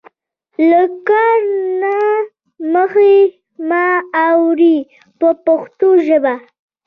له کار نه مخ مه اړوئ په پښتو ژبه.